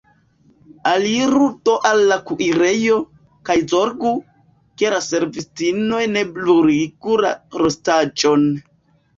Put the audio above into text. Aliru do al la kuirejo, kaj zorgu, ke la servistinoj ne bruligu la rostaĵon.